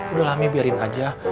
udah lah mi biarin aja